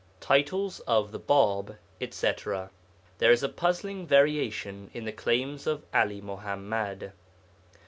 TITLES OF THE BĀB, ETC. There is a puzzling variation in the claims of 'Ali Muḥammad.